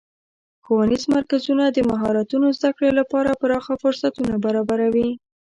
ښوونیز مرکزونه د مهارتونو زدهکړې لپاره پراخه فرصتونه برابروي.